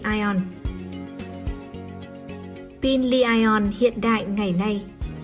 pin li ion hiện đại ngày nay